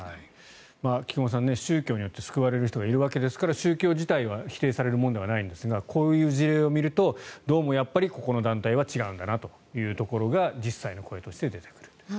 菊間さん、宗教によって救われる人がいるわけですから宗教自体は否定されるものではないんですがこういう事例を見るとどうもやっぱりここの団体は違うんだなというところが実際の声として出てくる。